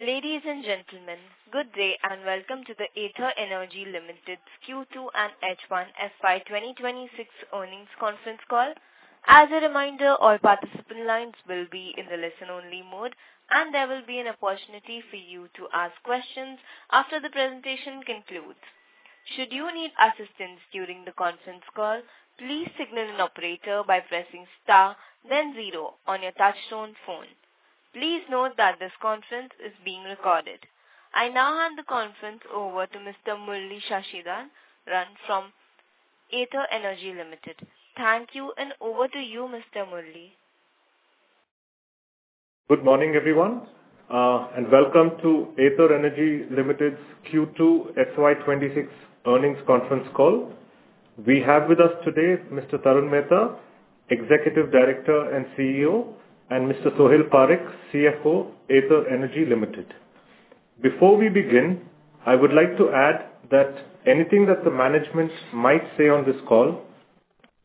Ladies and gentlemen, good day and welcome to the Ather Energy Limited Q2 and H1 FY 2026 Earnings Conference Call. As a reminder, all participant lines will be in the listen-only mode, and there will be an opportunity for you to ask questions after the presentation concludes. Should you need assistance during the conference call, please signal an operator by pressing star, then zero on your touch-tone phone. Please note that this conference is being recorded. I now hand the conference over to Mr. Murali Sashidharan from Ather Energy Limited. Thank you, and over to you, Mr. Murali. Good morning, everyone, and welcome to Ather Energy Limited's Q2 FY 26 earnings conference call. We have with us today Mr. Tarun Mehta, Executive Director and CEO, and Mr. Sohil Parekh, CFO, Ather Energy Limited. Before we begin, I would like to add that anything that the management might say on this call,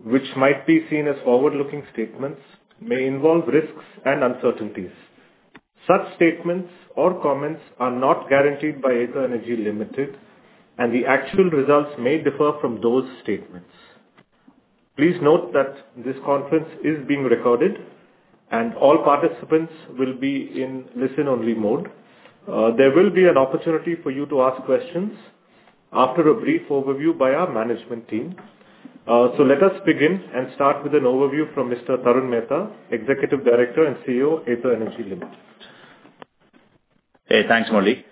which might be seen as forward-looking statements, may involve risks and uncertainties. Such statements or comments are not guaranteed by Ather Energy Limited, and the actual results may differ from those statements. Please note that this conference is being recorded, and all participants will be in listen-only mode. There will be an opportunity for you to ask questions after a brief overview by our management team. So let us begin and start with an overview from Mr. Tarun Mehta, Executive Director and CEO, Ather Energy Limited. Hey, thanks, Murali.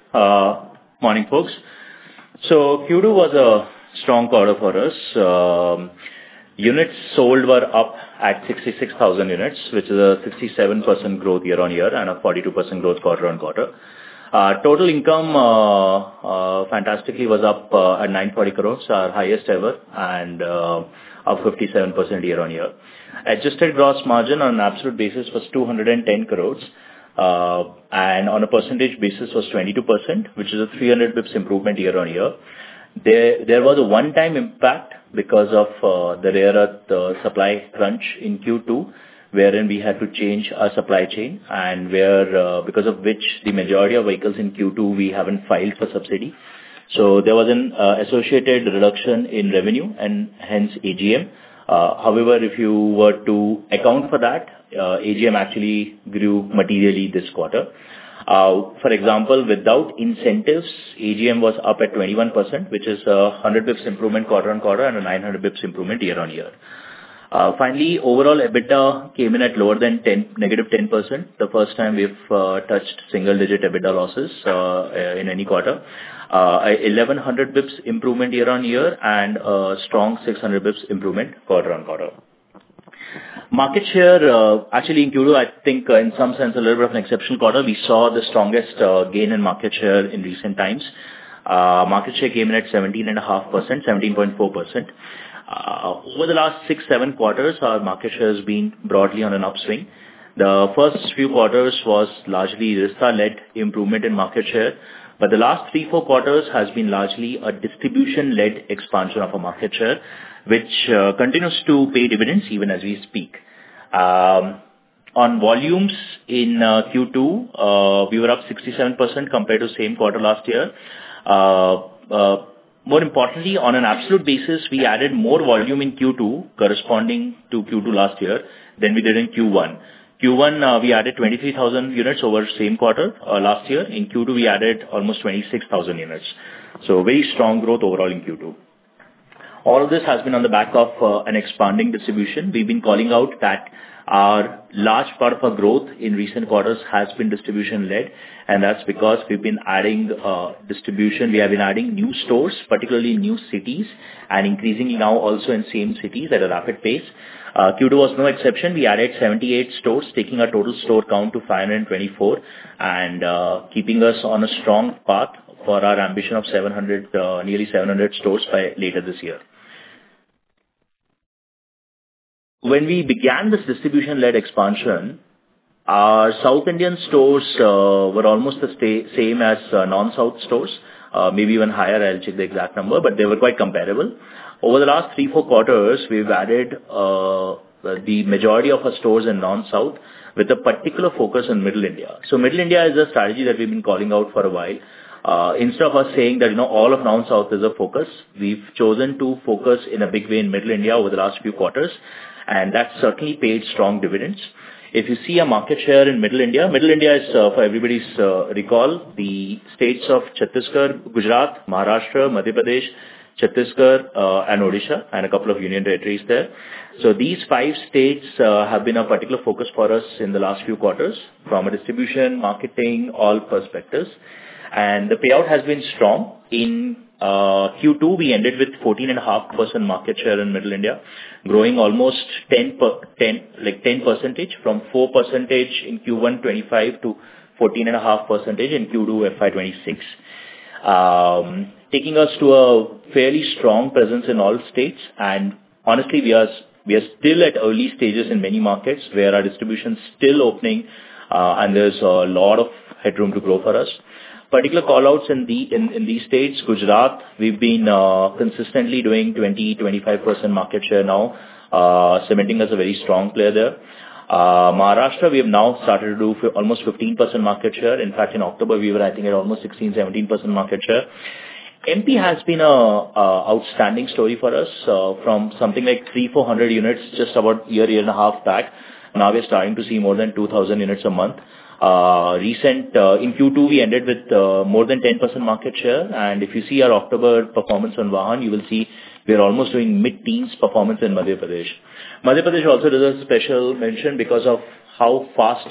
Morning, folks. So Q2 was a strong quarter for us. Units sold were up at 66,000 units, which is a 67% growth year-on-year and a 42% growth quarter-on-quarter. Total income fantastically was up at 940 crores, our highest ever, and up 57% year-on-year. Adjusted gross margin on an absolute basis was 210 crores, and on a percentage basis was 22%, which is a 300 basis points improvement year-on-year. There was a one-time impact because of the rare earth supply crunch in Q2, wherein we had to change our supply chain and because of which the majority of vehicles in Q2 we haven't filed for subsidy. So there was an associated reduction in revenue and hence AGM. However, if you were to account for that, AGM actually grew materially this quarter. For example, without incentives, AGM was up at 21%, which is a 100 basis points improvement quarter-on-quarter and a 900 basis points improvement year-on-year. Finally, overall EBITDA came in at lower than -10%, the first time we've touched single-digit EBITDA losses in any quarter. 1,100 basis points improvement year-on-year and a strong 600 basis points improvement quarter-on-quarter. Market share actually in Q2, I think in some sense a little bit of an exceptional quarter. We saw the strongest gain in market share in recent times. Market share came in at 17.5%, 17.4%. Over the last six, seven quarters, our market share has been broadly on an upswing. The first few quarters was largely Rizta-led improvement in market share, but the last three, four quarters has been largely a distribution-led expansion of our market share, which continues to pay dividends even as we speak. On volumes in Q2, we were up 67% compared to same quarter last year. More importantly, on an absolute basis, we added more volume in Q2 corresponding to Q2 last year than we did in Q1. Q1, we added 23,000 units over same quarter last year. In Q2, we added almost 26,000 units. So very strong growth overall in Q2. All of this has been on the back of an expanding distribution. We've been calling out that our large part of our growth in recent quarters has been distribution-led, and that's because we've been adding distribution. We have been adding new stores, particularly new cities, and increasingly now also in same cities at a rapid pace. Q2 was no exception. We added 78 stores, taking our total store count to 524 and keeping us on a strong path for our ambition of nearly 700 stores by later this year. When we began this distribution-led expansion, our South Indian stores were almost the same as non-South stores, maybe even higher. I'll check the exact number, but they were quite comparable. Over the last three, four quarters, we've added the majority of our stores in non-South with a particular focus in Middle India. So Middle India is a strategy that we've been calling out for a while. Instead of us saying that all of non-South is a focus, we've chosen to focus in a big way in Middle India over the last few quarters, and that's certainly paid strong dividends. If you see our market share in Middle India, Middle India is, for everybody's recall, the states of Chhattisgarh, Gujarat, Maharashtra, Madhya Pradesh, Chhattisgarh, and Odisha, and a couple of Union territories there. So these five states have been a particular focus for us in the last few quarters from a distribution, marketing, all perspectives. And the payout has been strong. In Q2, we ended with 14.5% market share in Middle India, growing almost 10% from 4% in Q1 25 to 14.5% in Q2 FY 26, taking us to a fairly strong presence in all states. And honestly, we are still at early stages in many markets where our distribution is still opening, and there's a lot of headroom to grow for us. Particular callouts in these states, Gujarat, we've been consistently doing 20%-25% market share now, cementing as a very strong player there. Maharashtra, we have now started to do almost 15% market share. In fact, in October, we were, I think, at almost 16%-17% market share. MP has been an outstanding story for us from something like 3,400 units just about a year, year and a half back. Now we're starting to see more than 2,000 units a month. In Q2, we ended with more than 10% market share. And if you see our October performance on Vahan, you will see we're almost doing mid-teens performance in Madhya Pradesh. Madhya Pradesh also deserves special mention because of how fast,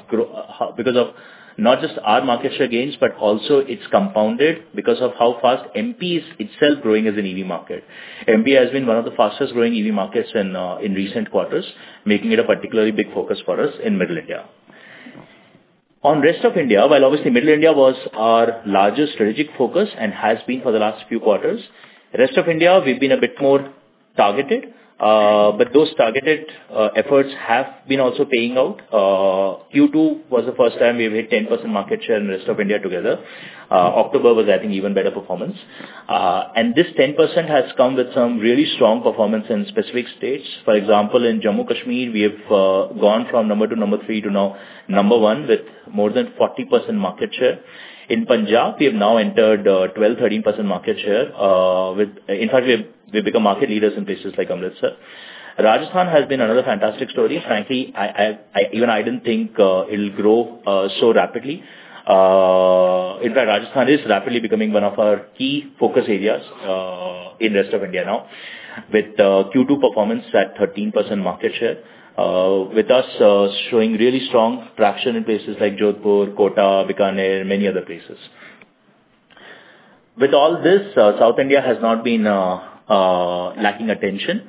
because of not just our market share gains, but also it's compounded because of how fast MP is itself growing as an EV market. MP has been one of the fastest growing EV markets in recent quarters, making it a particularly big focus for us in Middle India. On rest of India, while obviously Middle India was our largest strategic focus and has been for the last few quarters, rest of India, we've been a bit more targeted, but those targeted efforts have been also paying out. Q2 was the first time we've hit 10% market share in rest of India together. October was, I think, even better performance. This 10% has come with some really strong performance in specific states. For example, in Jammu and Kashmir, we have gone from number two, number three to now number one with more than 40% market share. In Punjab, we have now entered 12%-13% market share. In fact, we've become market leaders in places like Amritsar. Rajasthan has been another fantastic story. Frankly, even I didn't think it'll grow so rapidly. In fact, Rajasthan is rapidly becoming one of our key focus areas in rest of India now, with Q2 performance at 13% market share, with us showing really strong traction in places like Jodhpur, Kota, Bikaner, many other places. With all this, South India has not been lacking attention.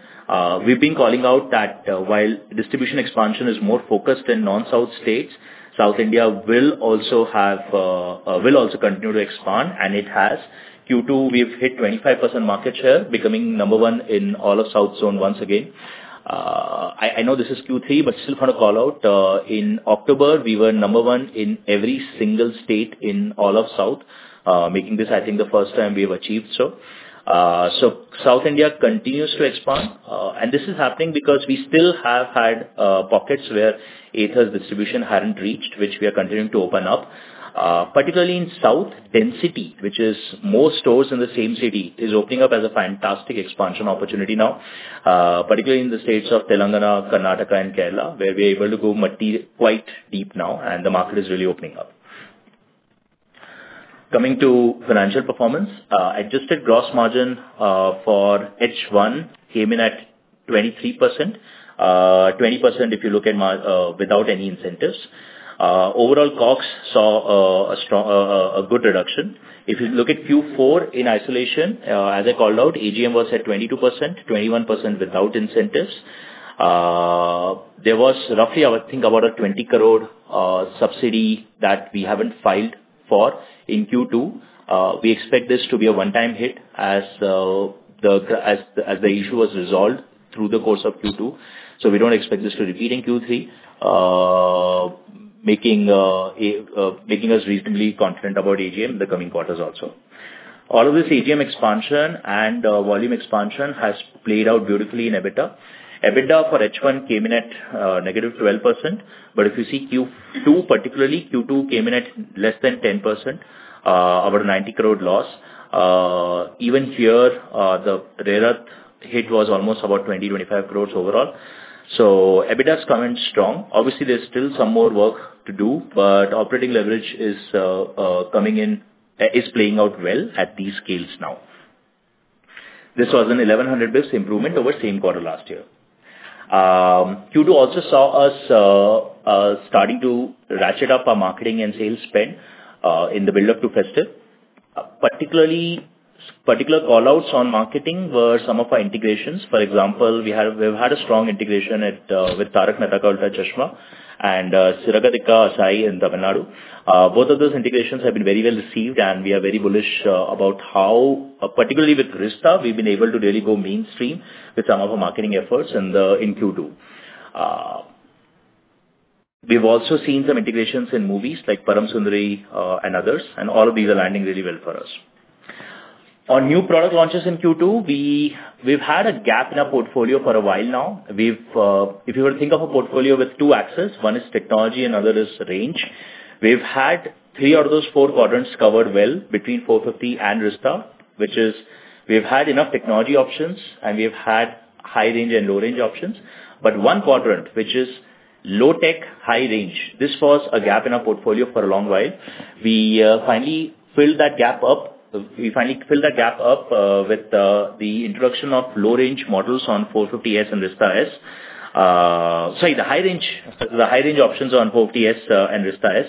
We've been calling out that while distribution expansion is more focused in non-South states, South India will also continue to expand, and it has. Q2, we've hit 25% market share, becoming number one in all of South zone once again. I know this is Q3, but still kind of call out. In October, we were number one in every single state in all of South, making this, I think, the first time we've achieved so. So South India continues to expand. This is happening because we still have had pockets where Ather's distribution hadn't reached, which we are continuing to open up. Particularly in South India density, which is most stores in the same city, is opening up as a fantastic expansion opportunity now, particularly in the states of Telangana, Karnataka, and Kerala, where we are able to go quite deep now, and the market is really opening up. Coming to financial performance, adjusted gross margin for H1 came in at 23%, 20% if you look at without any incentives. Overall, COGS saw a good reduction. If you look at Q4 in isolation, as I called out, AGM was at 22%, 21% without incentives. There was roughly, I would think, about an 20 crore subsidy that we haven't filed for in Q2. We expect this to be a one-time hit as the issue was resolved through the course of Q2. So we don't expect this to repeat in Q3, making us reasonably confident about AGM in the coming quarters also. All of this AGM expansion and volume expansion has played out beautifully in EBITDA. EBITDA for H1 came in at negative 12%, but if you see Q2, particularly Q2 came in at less than 10%, about an 90 crore loss. Even here, the rare earth hit was almost about 20-25 crore overall. So EBITDA has come in strong. Obviously, there's still some more work to do, but operating leverage is coming in, is playing out well at these scales now. This was a 1,100 basis points improvement over same quarter last year. Q2 also saw us starting to ratchet up our marketing and sales spend in the build-up to festival. Particular callouts on marketing were some of our integrations. For example, we've had a strong integration with Taarak Mehta Ka Ooltah Chashmah and Siragadikka Aasai in Tamil Nadu. Both of those integrations have been very well received, and we are very bullish about how, particularly with Rizta, we've been able to really go mainstream with some of our marketing efforts in Q2. We've also seen some integrations in movies like Param Sundari and others, and all of these are landing really well for us. On new product launches in Q2, we've had a gap in our portfolio for a while now. If you were to think of a portfolio with two axes, one is technology and other is range, we've had three out of those four quadrants covered well between 450 and Rizta, which is we've had enough technology options and we've had high range and low range options. But one quadrant, which is low tech, high range, this was a gap in our portfolio for a long while. We finally filled that gap up with the introduction of low range models on 450S and Rizta S. Sorry, the high range options on 450S and Rizta S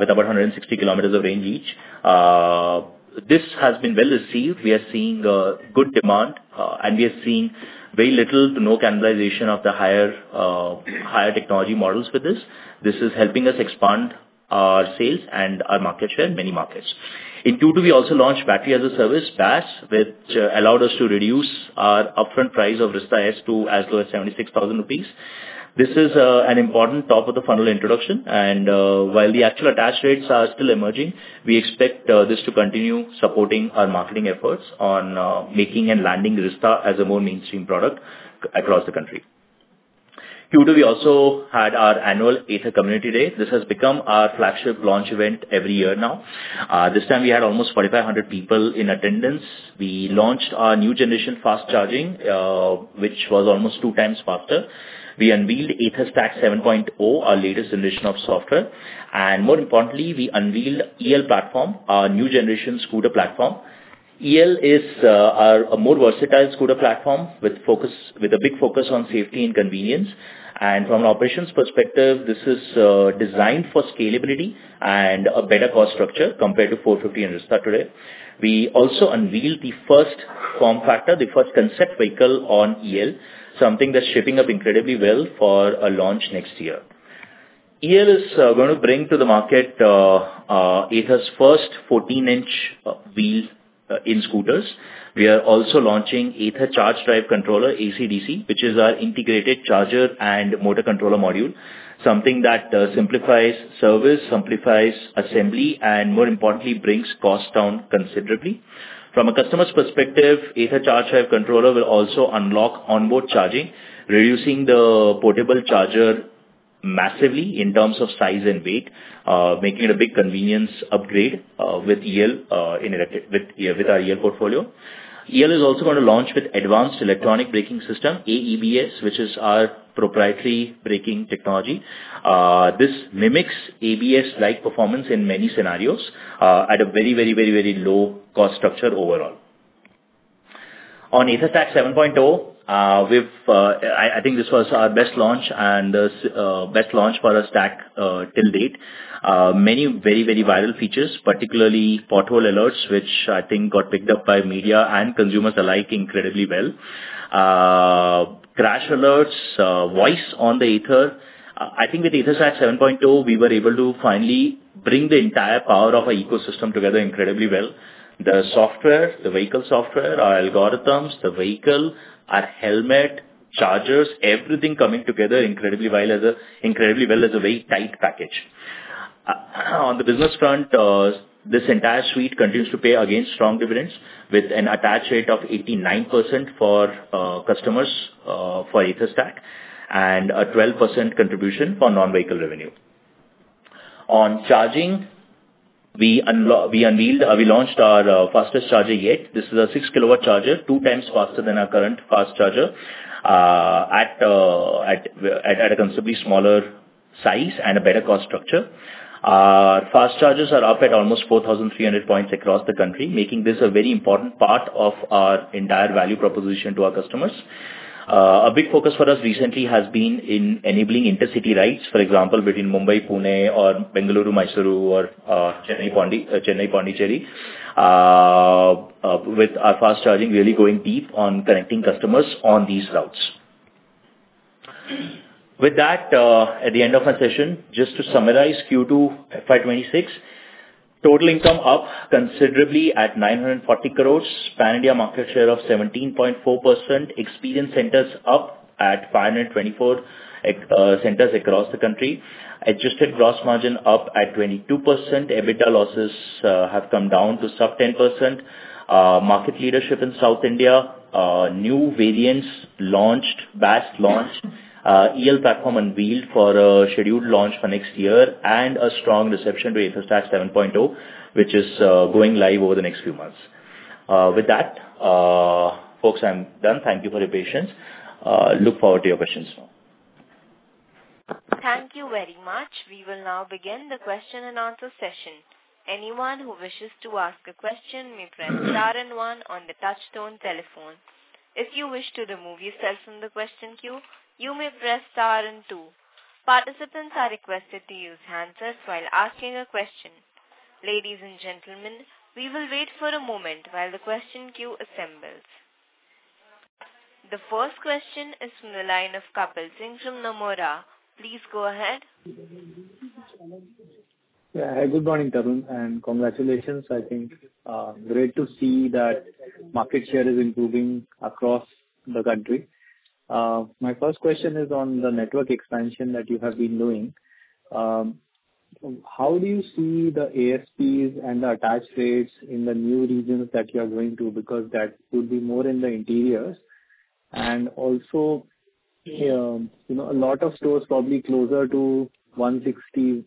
with about 160 km of range each. This has been well received. We are seeing good demand, and we are seeing very little to no cannibalization of the higher technology models with this. This is helping us expand our sales and our market share in many markets. In Q2, we also launched battery as a service, BaaS, which allowed us to reduce our upfront price of Rizta S to as low as 76,000 rupees. This is an important top of the funnel introduction, and while the actual attached rates are still emerging, we expect this to continue supporting our marketing efforts on making and landing Rizta as a more mainstream product across the country. Q2, we also had our annual Ather Community Day. This has become our flagship launch event every year now. This time, we had almost 4,500 people in attendance. We launched our new generation fast charging, which was almost two times faster. We unveiled AtherStack 7.0, our latest generation of software. And more importantly, we unveiled EL Platform, our new generation scooter platform. EL is a more versatile scooter platform with a big focus on safety and convenience. And from an operations perspective, this is designed for scalability and a better cost structure compared to 450 and Rizta today. We also unveiled the first form factor, the first concept vehicle on EL, something that's shaping up incredibly well for a launch next year. EL is going to bring to the market Ather's first 14-inch wheel in scooters. We are also launching Ather Charge Drive Controller, ACDC, which is our integrated charger and motor controller module, something that simplifies service, simplifies assembly, and more importantly, brings costs down considerably. From a customer's perspective, Ather Charge Drive Controller will also unlock onboard charging, reducing the portable charger massively in terms of size and weight, making it a big convenience upgrade with our EL portfolio. EL is also going to launch with advanced electronic braking system, AEBS, which is our proprietary braking technology. This mimics ABS-like performance in many scenarios at a very, very, very, very low cost structure overall. On AtherStack 7.0, I think this was our best launch and best launch for a stack till date. Many very, very viral features, particularly pothole alerts, which I think got picked up by media and consumers alike incredibly well. Crash alerts, voice on the Ather. I think with AtherStack 7.0, we were able to finally bring the entire power of our ecosystem together incredibly well. The software, the vehicle software, our algorithms, the vehicle, our helmet, chargers, everything coming together incredibly well as a very tight package. On the business front, this entire suite continues to paying strong dividends with an attached rate of 89% for customers for AtherStack and a 12% contribution for non-vehicle revenue. On charging, we launched our fastest charger yet. This is a six kW charger, two times faster than our current fast charger at a considerably smaller size and a better cost structure. Fast chargers are up at almost 4,300 points across the country, making this a very important part of our entire value proposition to our customers. A big focus for us recently has been in enabling intercity rides, for example, between Mumbai, Pune, or Bengaluru, Mysuru, or Chennai, Pondicherry, with our fast charging really going deep on connecting customers on these routes. With that, at the end of our session, just to summarize Q2 FY 26, total income up considerably at 940 crores, pan-India market share of 17.4%, experience centers up at 524 centers across the country, adjusted gross margin up at 22%, EBITDA losses have come down to sub-10%, market leadership in South India, new variants launched, BaaS launched, EL Platform unveiled for a scheduled launch for next year, and a strong reception to AtherStack 7.0, which is going live over the next few months. With that, folks, I'm done. Thank you for your patience. Look forward to your questions. Thank you very much. We will now begin the question and answer session. Anyone who wishes to ask a question may press star and one on the touch-tone telephone. If you wish to remove yourself from the question queue, you may press star and two. Participants are requested to use the handset while asking a question. Ladies and gentlemen, we will wait for a moment while the question queue assembles. The first question is from the line of Kapil Singh from Nomura. Please go ahead. Yeah, good morning, Tarun, and congratulations. I think it's great to see that market share is improving across the country. My first question is on the network expansion that you have been doing. How do you see the ASPs and the attached rates in the new regions that you are going to? Because that would be more in the interiors. And also, a lot of stores, probably closer to 160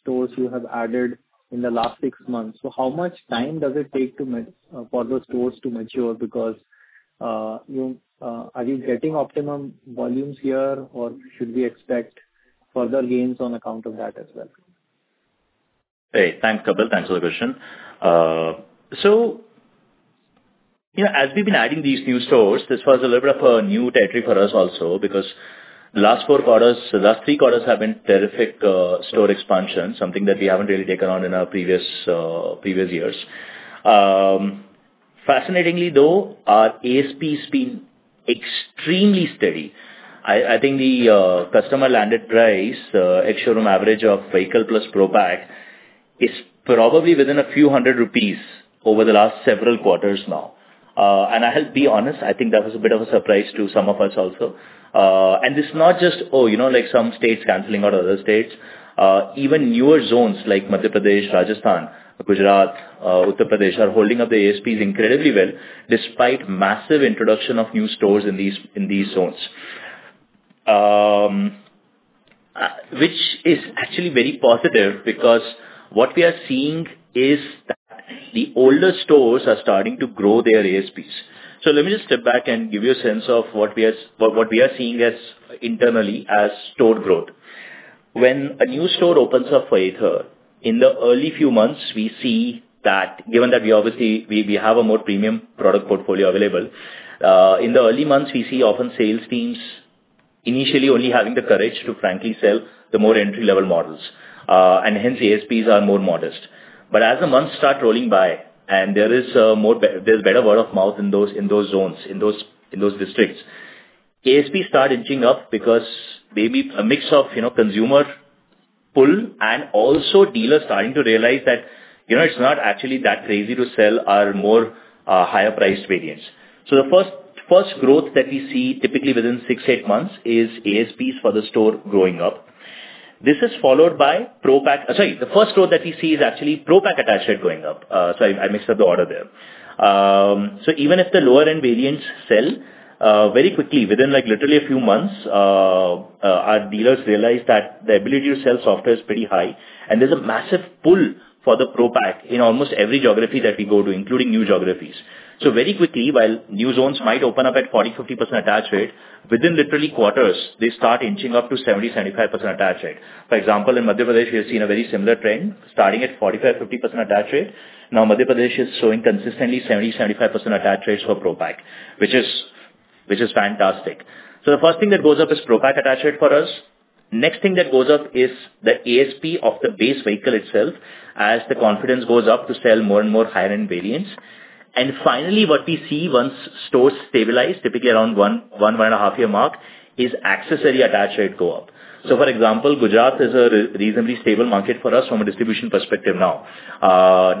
stores you have added in the last six months. So how much time does it take for those stores to mature? Because, are you getting optimum volumes here, or should we expect further gains on account of that as well? Great. Thanks, Kapil. Thanks for the question, so as we've been adding these new stores, this was a little bit of a new territory for us also because the last four quarters, the last three quarters have been terrific store expansion, something that we haven't really taken on in our previous years. Fascinatingly, though, our ASPs have been extremely steady. I think the customer landed price, ex-showroom average of vehicle plus Pro Pack is probably within a few hundred rupees over the last several quarters now, and I'll be honest, I think that was a bit of a surprise to some of us also, and it's not just, oh, like some states canceling out other states. Even newer zones like Madhya Pradesh, Rajasthan, Gujarat, Uttar Pradesh are holding up the ASPs incredibly well despite massive introduction of new stores in these zones, which is actually very positive because what we are seeing is that the older stores are starting to grow their ASPs. Let me just step back and give you a sense of what we are seeing internally as store growth. When a new store opens up for Ather, in the early few months, we see that given that we obviously have a more premium product portfolio available, in the early months, we see often sales teams initially only having the courage to frankly sell the more entry-level models, and hence ASPs are more modest. But as the months start rolling by and there's better word of mouth in those zones, in those districts, ASPs start inching up because maybe a mix of consumer pull and also dealers starting to realize that it's not actually that crazy to sell our more higher-priced variants. So the first growth that we see typically within six, eight months is ASPs for the store growing up. This is followed by Pro Pack. Sorry, the first growth that we see is actually Pro Pack attached rate going up. Sorry, I mixed up the order there. So even if the lower-end variants sell very quickly, within literally a few months, our dealers realize that the ability to sell software is pretty high, and there's a massive pull for the Pro Pack in almost every geography that we go to, including new geographies. So very quickly, while new zones might open up at 40%-50% attached rate, within literally quarters, they start inching up to 70%-75% attached rate. For example, in Madhya Pradesh, we have seen a very similar trend starting at 45%-50% attached rate. Now, Madhya Pradesh is showing consistently 70%-75% attached rates for Pro Pack, which is fantastic. So the first thing that goes up is Pro Pack attached rate for us. Next thing that goes up is the ASP of the base vehicle itself as the confidence goes up to sell more and more higher-end variants. And finally, what we see once stores stabilize, typically around one, one and a half year mark, is accessory attached rate go up. So for example, Gujarat is a reasonably stable market for us from a distribution perspective now.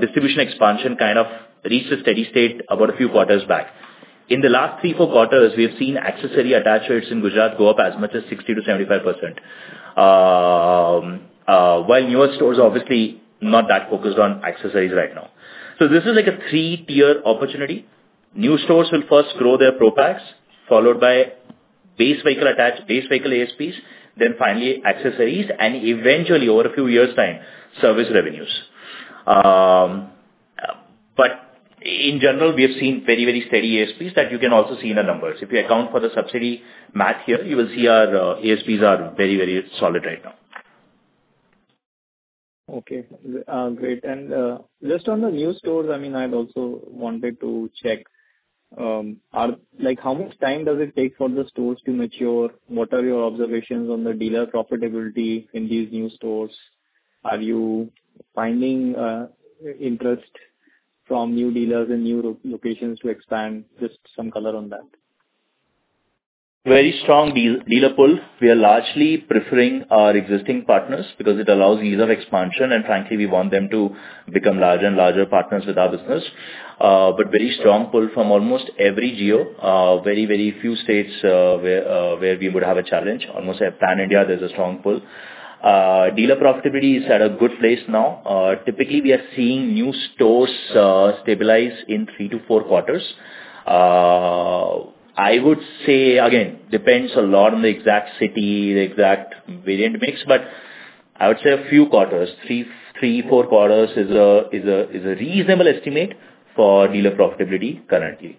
Distribution expansion kind of reached a steady state about a few quarters back. In the last three, four quarters, we have seen accessory attached rates in Gujarat go up as much as 60%-75%, while newer stores are obviously not that focused on accessories right now. So this is like a three-tier opportunity. New stores will first grow their Pro Packs, followed by base vehicle attached, base vehicle ASPs, then finally accessories, and eventually, over a few years' time, service revenues. But in general, we have seen very, very steady ASPs that you can also see in our numbers. If you account for the subsidy math here, you will see our ASPs are very, very solid right now. Okay. Great. And just on the new stores, I mean, I also wanted to check how much time does it take for the stores to mature? What are your observations on the dealer profitability in these new stores? Are you finding interest from new dealers in new locations to expand? Just some color on that. Very strong dealer pull. We are largely preferring our existing partners because it allows ease of expansion, and frankly, we want them to become larger and larger partners with our business. But very strong pull from almost every geo. Very, very few states where we would have a challenge. Almost Pan India, there's a strong pull. Dealer profitability is at a good place now. Typically, we are seeing new stores stabilize in three to four quarters. I would say, again, depends a lot on the exact city, the exact variant mix, but I would say a few quarters, three, four quarters is a reasonable estimate for dealer profitability currently.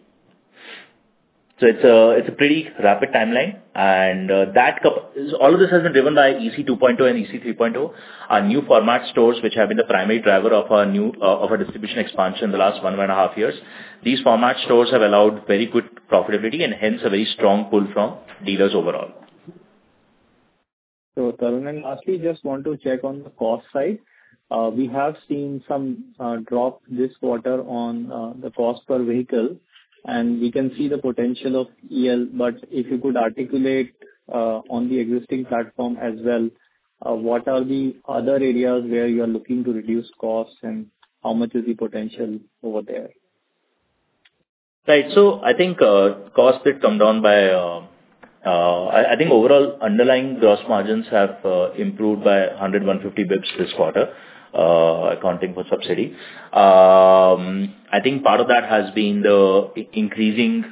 So it's a pretty rapid timeline. And all of this has been driven by EC 2.0 and EC 3.0, our new format stores, which have been the primary driver of our distribution expansion in the last one and a half years. These format stores have allowed very good profitability and hence a very strong pull from dealers overall. So Tarun, and lastly, just want to check on the cost side. We have seen some drop this quarter on the cost per vehicle, and we can see the potential of EL. But if you could articulate on the existing platform as well, what are the other areas where you are looking to reduce costs and how much is the potential over there? Right. So I think costs did come down by I think overall underlying gross margins have improved by 100, 150 basis points this quarter, accounting for subsidy. I think part of that has been the increasing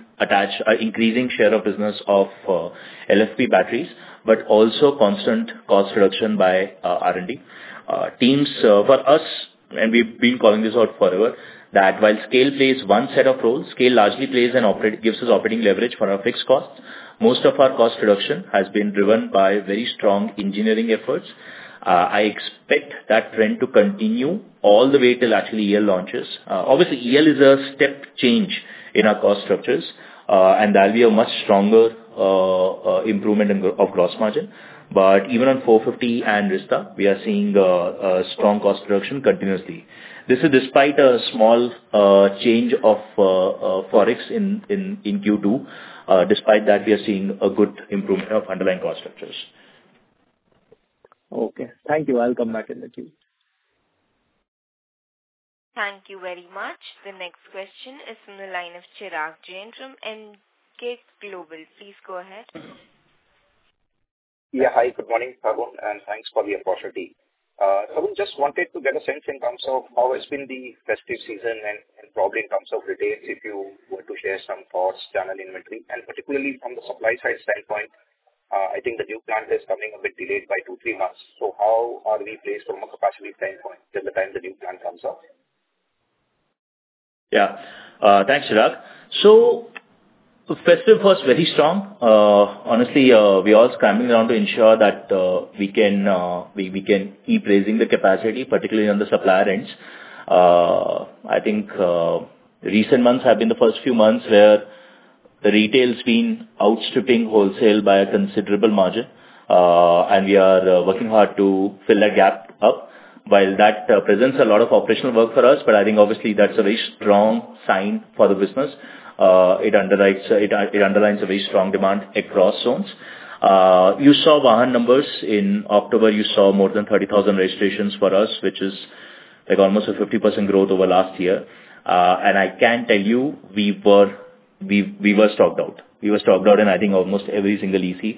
share of business of LFP batteries, but also constant cost reduction by R&D. For us, and we've been calling this out forever, that while scale plays one set of roles, scale largely plays and gives us operating leverage for our fixed costs. Most of our cost reduction has been driven by very strong engineering efforts. I expect that trend to continue all the way till actually EL launches. Obviously, EL is a step change in our cost structures, and there'll be a much stronger improvement of gross margin. But even on 450 and Rizta, we are seeing strong cost reduction continuously. This is despite a small change of forex in Q2. Despite that, we are seeing a good improvement of underlying cost structures. Okay. Thank you. I'll come back in the queue. Thank you very much. The next question is from the line of Chirag Jain from Emkay Global Financial Services. Please go ahead. Yeah. Hi, good morning, Tarun, and thanks for the opportunity. Tarun, just wanted to get a sense in terms of how has been the festive season and probably in terms of retailers, if you were to share some thoughts, channel inventory, and particularly from the supply side standpoint, I think the new plant is coming a bit delayed by two, three months. So how are we placed from a capacity standpoint till the time the new plant comes up? Yeah. Thanks, Chirag. So festive was very strong. Honestly, we are all scrambling around to ensure that we can keep raising the capacity, particularly on the supplier ends. I think recent months have been the first few months where the retail's been outstripping wholesale by a considerable margin, and we are working hard to fill that gap up. While that presents a lot of operational work for us, but I think obviously that's a very strong sign for the business. It underlines a very strong demand across zones. You saw Vahan numbers in October. You saw more than 30,000 registrations for us, which is almost a 50% growth over last year, and I can tell you, we were stocked out. We were stocked out in, I think, almost every single EC,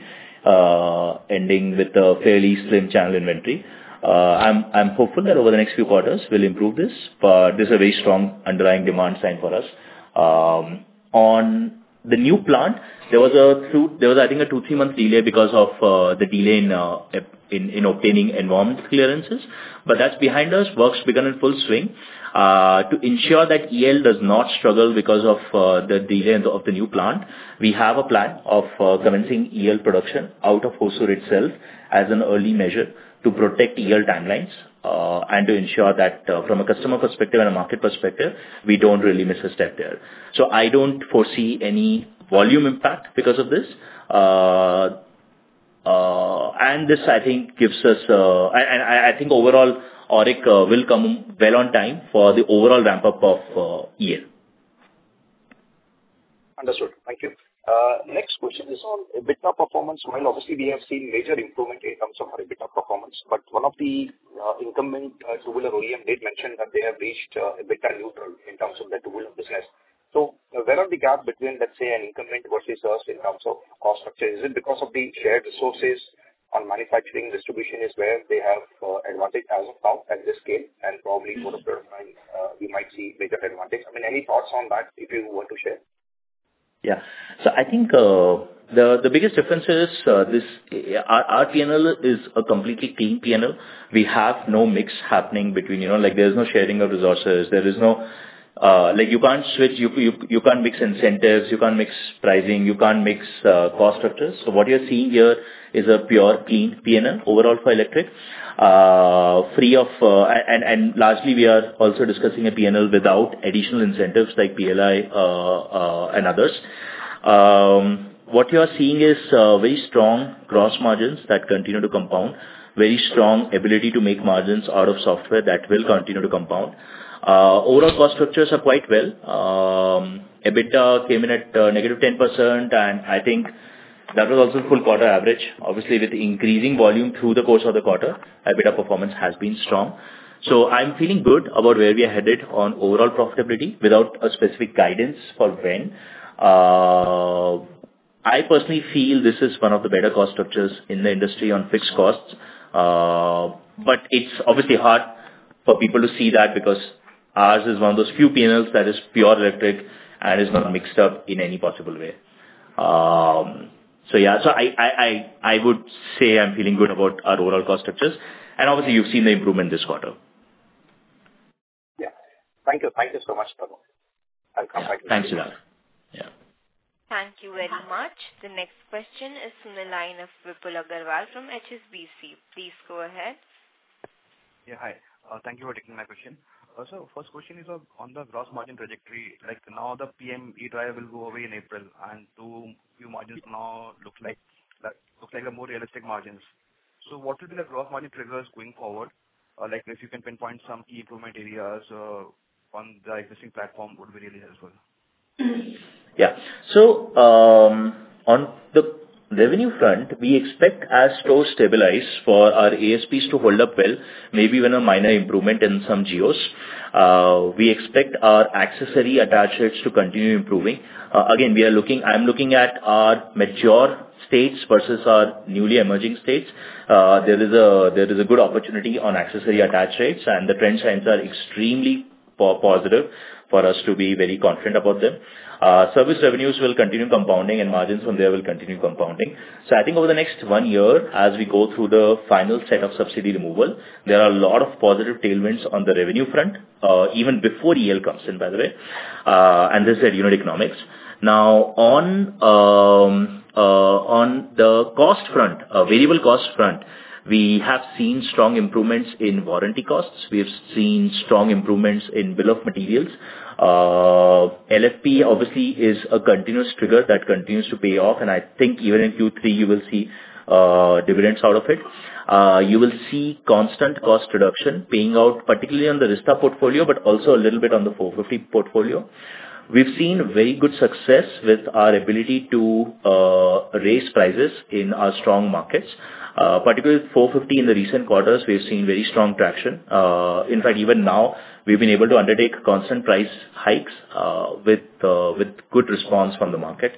ending with a fairly slim channel inventory. I'm hopeful that over the next few quarters, we'll improve this. But this is a very strong underlying demand sign for us. On the new plant, there was, I think, a two, three-month delay because of the delay in obtaining environmental clearances. But that's behind us. Work's begun in full swing. To ensure that EL does not struggle because of the delay of the new plant, we have a plan of commencing EL production out of Hosur itself as an early measure to protect EL timelines and to ensure that from a customer perspective and a market perspective, we don't really miss a step there. So I don't foresee any volume impact because of this. And this, I think, gives us a, and I think overall, AURIC will come well on time for the overall ramp-up of EL. Understood. Thank you. Next question is on EBITDA performance. While obviously we have seen major improvement in terms of our EBITDA performance, but one of the incumbent two-wheeler OEM did mention that they have reached EBITDA neutral in terms of their two-wheeler business. So where is the gap between, let's say, an incumbent versus in terms of cost structure? Is it because of the shared resources on manufacturing distribution where they have advantage as of now at this scale? And probably at this time, we might see major advantage. I mean, any thoughts on that if you want to share? Yeah, so I think the biggest difference is our P&L is a completely clean P&L. We have no mix happening between. There's no sharing of resources. There is no you can't switch. You can't mix incentives. You can't mix pricing. You can't mix cost structures. So what you're seeing here is a pure, clean P&L overall for electric, free of, and largely, we are also discussing a P&L without additional incentives like PLI and others. What you are seeing is very strong gross margins that continue to compound, very strong ability to make margins out of software that will continue to compound. Overall, cost structures are quite well. EBITDA came in at negative 10%, and I think that was also full quarter average. Obviously, with increasing volume through the course of the quarter, EBITDA performance has been strong. So, I'm feeling good about where we are headed on overall profitability without a specific guidance for when. I personally feel this is one of the better cost structures in the industry on fixed costs, but it's obviously hard for people to see that because ours is one of those few P&Ls that is pure electric and is not mixed up in any possible way. So yeah, so I would say I'm feeling good about our overall cost structures. And obviously, you've seen the improvement this quarter. Yeah. Thank you. Thank you so much, Tarun. I'll come back to you. Thanks, Chirag. Yeah. Thank you very much. The next question is from the line of Vipul Agrawal from HSBC. Please go ahead. Yeah. Hi. Thank you for taking my question. So first question is on the gross margin trajectory. Now the PM E-DRIVE will go away in April, and the true margins now look like they're more realistic margins. So what will be the gross margin triggers going forward? If you can pinpoint some key improvement areas on the existing platform, it would be really helpful. Yeah. So on the revenue front, we expect, as stores stabilize, for our ASPs to hold up well, maybe with a minor improvement in some geos. We expect our accessory attached rates to continue improving. Again, I'm looking at our mature states versus our newly emerging states. There is a good opportunity on accessory attached rates, and the trend signs are extremely positive for us to be very confident about them. Service revenues will continue compounding, and margins from there will continue compounding. So I think over the next one year, as we go through the final set of subsidy removal, there are a lot of positive tailwinds on the revenue front, even before EL comes in, by the way, and this is at unit economics. Now, on the cost front, variable cost front, we have seen strong improvements in warranty costs. We have seen strong improvements in bill of materials. LFP, obviously, is a continuous trigger that continues to pay off, and I think even in Q3, you will see dividends out of it. You will see constant cost reduction paying out, particularly on the Rizta portfolio, but also a little bit on the 450 portfolio. We've seen very good success with our ability to raise prices in our strong markets. Particularly 450, in the recent quarters, we've seen very strong traction. In fact, even now, we've been able to undertake constant price hikes with good response from the market.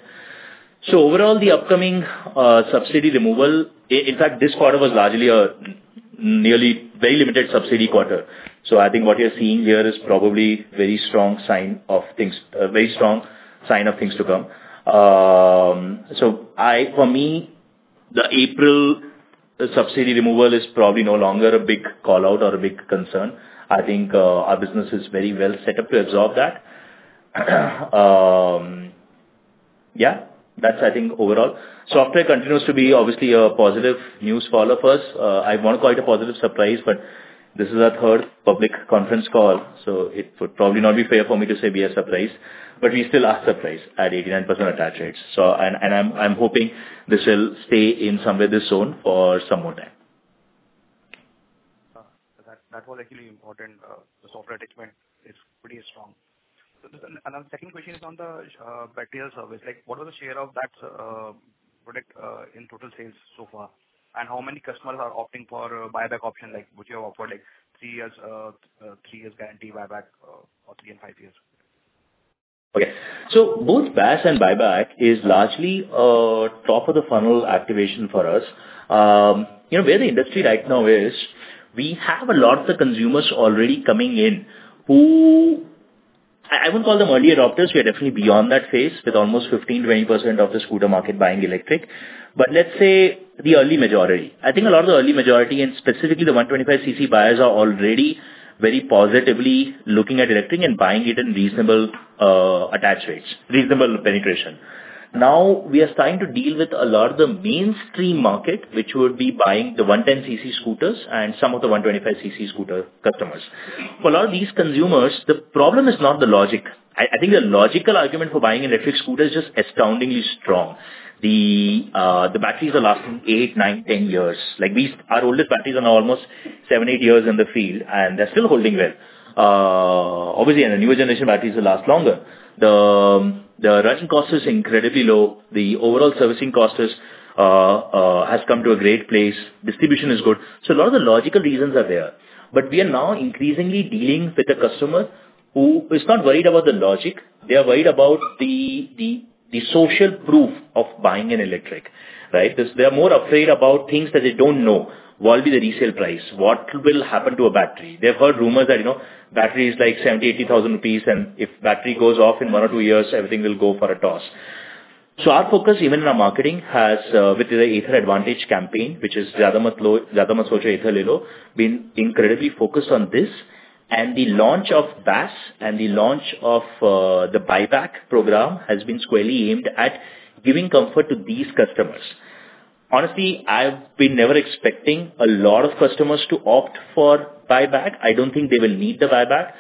So overall, the upcoming subsidy removal, in fact, this quarter was largely a nearly very limited subsidy quarter. So I think what you're seeing here is probably a very strong sign of things, a very strong sign of things to come. For me, the April subsidy removal is probably no longer a big callout or a big concern. I think our business is very well set up to absorb that. Yeah. That's, I think, overall. Software continues to be, obviously, a positive news flow for us. I want to call it a positive surprise, but this is our third public conference call, so it would probably not be fair for me to say we are surprised. But we still are surprised at 89% attached rates. I'm hoping this will stay somewhere in this zone for some more time. That was actually important. The software attachment is pretty strong. And then the second question is on the battery service. What was the share of that product in total sales so far? And how many customers are opting for buyback option? Would you offer three years guarantee buyback or three and five years? Okay. So both BaaS and buyback is largely top of the funnel activation for us. Where the industry right now is, we have a lot of the consumers already coming in who I wouldn't call them early adopters. We are definitely beyond that phase with almost 15%-20% of the scooter market buying electric. But let's say the early majority. I think a lot of the early majority and specifically the 125cc buyers are already very positively looking at electric and buying it in reasonable attached rates, reasonable penetration. Now, we are starting to deal with a lot of the mainstream market, which would be buying the 110cc scooters and some of the 125cc scooter customers. For a lot of these consumers, the problem is not the logic. I think the logical argument for buying an electric scooter is just astoundingly strong. The batteries are lasting eight, nine, ten years. Our oldest batteries are now almost seven, eight years in the field, and they're still holding well. Obviously, the newer generation batteries will last longer. The running cost is incredibly low. The overall servicing cost has come to a great place. Distribution is good. So a lot of the logical reasons are there. But we are now increasingly dealing with a customer who is not worried about the logic. They are worried about the social proof of buying an electric, right? They are more afraid about things that they don't know. What will be the resale price? What will happen to a battery? They've heard rumors that battery is like 70,000-80,000 rupees, and if battery goes off in one or two years, everything will go for a toss. Our focus, even in our marketing, has with the Ather Advantage campaign, which is Jad se socha, been incredibly focused on this. The launch of BaaS and the launch of the buyback program has been squarely aimed at giving comfort to these customers. Honestly, I've been never expecting a lot of customers to opt for buyback. I don't think they will need the buyback.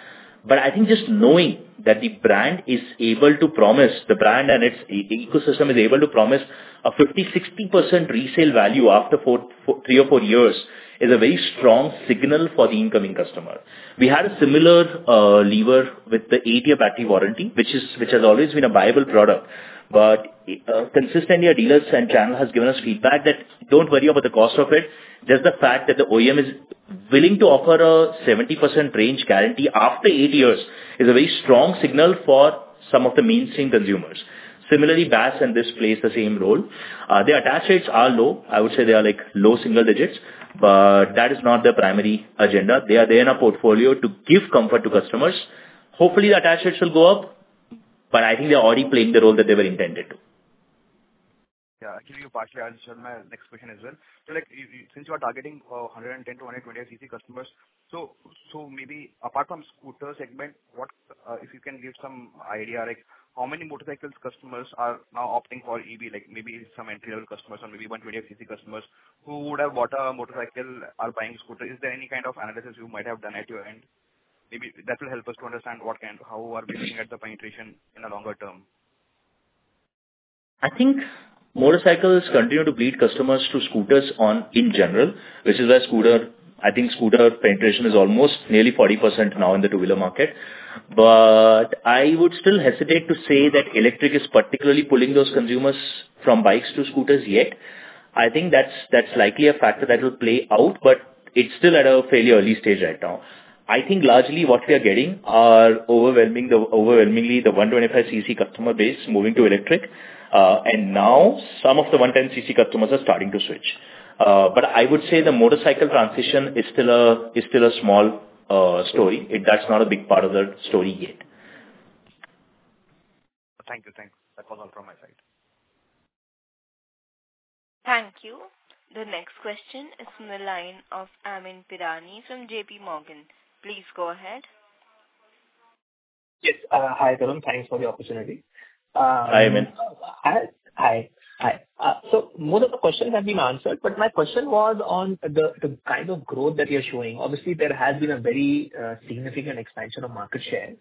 But I think just knowing that the brand is able to promise the brand and its ecosystem is able to promise a 50%-60% resale value after three or four years is a very strong signal for the incoming customer. We had a similar lever with the eight-year battery warranty, which has always been a viable product. Consistently, our dealers and channel has given us feedback that, "Don't worry about the cost of it." Just the fact that the OEM is willing to offer a 70% range guarantee after eight years is a very strong signal for some of the mainstream consumers. Similarly, BaaS and this plays the same role. The attached rates are low. I would say they are low single digits, but that is not their primary agenda. They are there in our portfolio to give comfort to customers. Hopefully, the attached rates will go up, but I think they're already playing the role that they were intended to. Yeah. Giving you a head start, I'll share my next question as well. Since you are targeting 110cc-120cc customers, so maybe apart from scooter segment, if you can give some idea how many motorcycle customers are now opting for EV, maybe some entry-level customers or maybe 120cc customers who would have bought a motorcycle are buying scooter? Is there any kind of analysis you might have done at your end? Maybe that will help us to understand how are we looking at the penetration in the longer term. I think motorcycles continue to bleed customers to scooters in general, which is why I think scooter penetration is almost nearly 40% now in the two-wheeler market. But I would still hesitate to say that electric is particularly pulling those consumers from bikes to scooters yet. I think that's likely a factor that will play out, but it's still at a fairly early stage right now. I think largely what we are getting are overwhelmingly the 125cc customer base moving to electric. And now some of the 110cc customers are starting to switch. But I would say the motorcycle transition is still a small story. That's not a big part of the story yet. Thank you. Thanks. That was all from my side. Thank you. The next question is from the line of Amyn Pirani from JPMorgan. Please go ahead. Yes. Hi, Tarun. Thanks for the opportunity. Hi, Amyn. Hi. Hi. So most of the questions have been answered, but my question was on the kind of growth that you're showing. Obviously, there has been a very significant expansion of market share.